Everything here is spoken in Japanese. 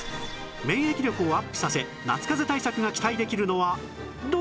免疫力をアップさせ夏かぜ対策が期待できるのはどれ？